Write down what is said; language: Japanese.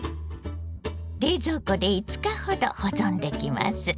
冷蔵庫で５日ほど保存できます。